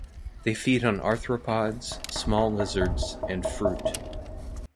They feed on arthropods, small lizards and fruit.